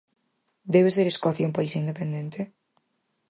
Debe ser Escocia un país independente?